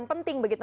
itu penting begitu